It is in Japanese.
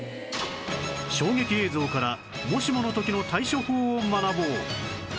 衝撃映像からもしもの時の対処法を学ぼう